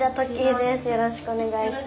よろしくお願いします。